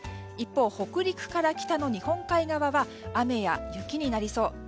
一方、北陸から北の日本海側は雨や雪になりそう。